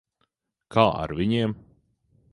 Kā ar viņiem?